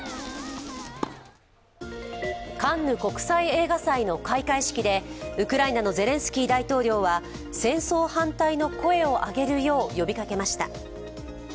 カンヌ国際映画祭の開会式でウクライナのゼレンスキー大統領は戦争反対の声を上げるよう呼びかけました。